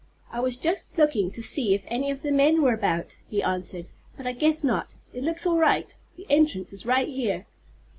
"I was just looking to see if any of the men were about," he answered. "But I guess not it looks all right. The entrance is right here."